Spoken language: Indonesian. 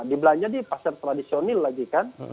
dibelanja di pasar tradisional lagi kan